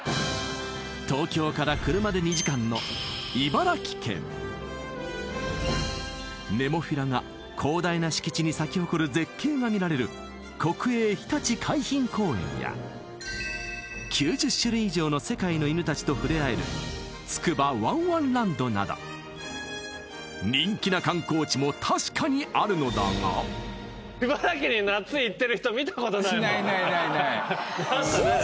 東京から車で２時間の茨城県ネモフィラが広大な敷地に咲き誇る絶景が見られる国営ひたち海浜公園や９０種類以上の世界の犬たちと触れ合えるつくばわんわんランドなど人気な観光地も確かにあるのだがないないないない